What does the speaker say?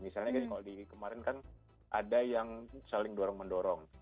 misalnya kalau di kemarin kan ada yang saling mendorong